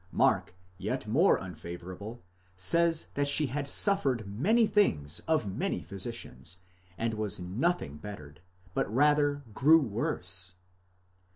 Mark, yet more un favourable, says that she had suffered many things of many physicians, and was nothing bettered, but rather grew worse.